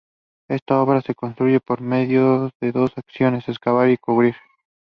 It is of minor interest in commercial fisheries.